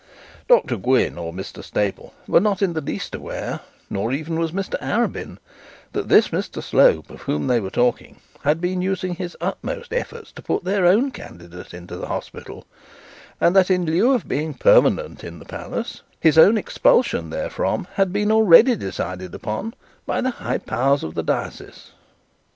Dr Gwynne or Mr Staple were not in the least aware, nor even was Mr Arabin that this Mr Slope, of whom they were talking, had been using his utmost efforts to put their own candidate into the hospital; and that in lieu of being a permanent in the palace, his own expulsion therefrom had been already decided on by the high powers of the diocese.